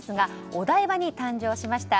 お台場に誕生しました。